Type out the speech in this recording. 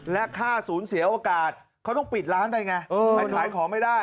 และค่าศูนย์เสียโอกาสเขาต้องปิดร้านไปไงมันขายของไม่ได้